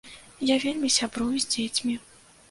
Я вельмі сябрую з дзецьмі.